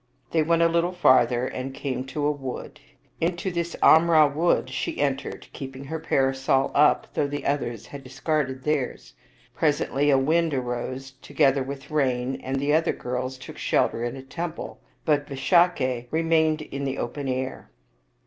They went a little farther and came to a wood. Into this Amra wood she entered, keeping her para sol up, though the others had discarded theirs. Presently a wind arose together with rain, and the other girls took shel ter in a temple, but Visakha remained in the open air.